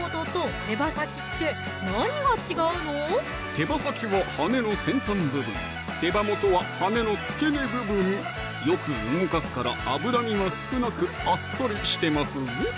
手羽先は羽の先端部分手羽元は羽の付け根部分よく動かすから脂身が少なくあっさりしてますぞ